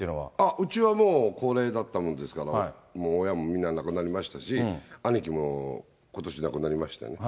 うちはもう高齢だったもんですから、親もみんな亡くなりましたし、兄貴もことし亡くなりましてね。